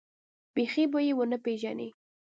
بيخي به يې ونه پېژنې.